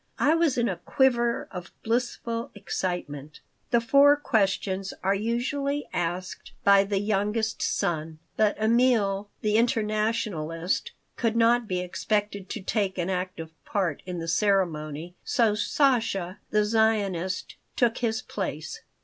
I was in a quiver of blissful excitement The Four Questions are usually asked by the youngest son, but Emil, the Internationalist, could not be expected to take an active part in the ceremony, so Sasha, the Zionist, took his place.